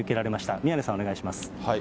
宮根さん、お願いします。